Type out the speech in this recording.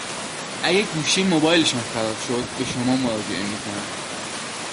اگه گوشی موبایلشان خراب شد به شما مراجعه می کنند،